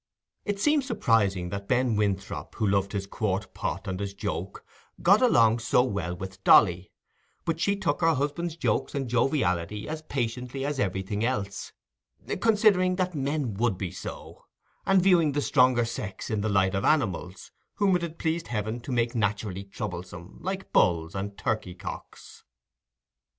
It seemed surprising that Ben Winthrop, who loved his quart pot and his joke, got along so well with Dolly; but she took her husband's jokes and joviality as patiently as everything else, considering that "men would be so", and viewing the stronger sex in the light of animals whom it had pleased Heaven to make naturally troublesome, like bulls and turkey cocks.